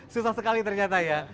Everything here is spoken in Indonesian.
susah sekali ternyata ya